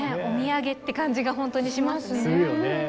お土産って感じがほんとにしますね。